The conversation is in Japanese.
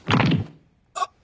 あっ！